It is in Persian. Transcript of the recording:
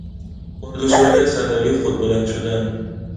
با دشواری از صندلی خود بلند شدن